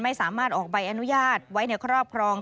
ไม่สามารถออกใบอนุญาตไว้ในครอบครอง